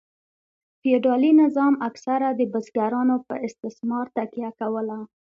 فیوډالي نظام اکثره د بزګرانو په استثمار تکیه کوله.